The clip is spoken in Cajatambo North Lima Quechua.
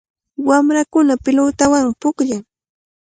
Wamrakuna pilutawanmi pukllan.